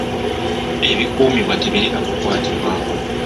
Ebikuumibwa tebirina kukwatibwako.